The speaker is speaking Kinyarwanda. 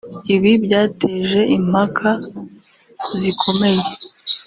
Ibi byateje impaka zikomeye